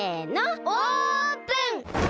オープン！